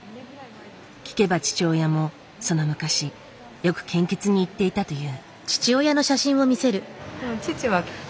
聞けば父親もその昔よく献血に行っていたという。